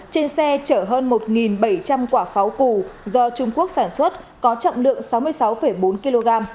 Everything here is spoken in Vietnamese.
trên xe chở hơn một bảy trăm linh quả pháo cù do trung quốc sản xuất có trọng lượng sáu mươi sáu bốn kg